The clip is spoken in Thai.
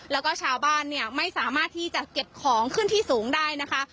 แล้วก็ชาวบ้านเนี่ยไม่สามารถที่จะเก็บของขึ้นที่สูงได้นะคะ